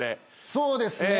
そうですね。